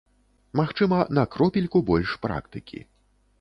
Магчыма, на кропельку больш практыкі.